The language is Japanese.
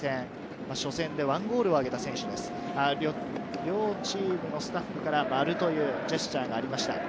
両チームのスタッフから、マルというジェスチャーがありました。